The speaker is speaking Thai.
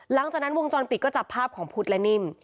หลังจากนั้นวงจรปิดก็จับภาพของพุทธและนิ่ม